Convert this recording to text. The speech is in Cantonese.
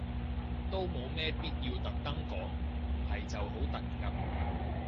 都冇咩必要特登講，唔係就好突兀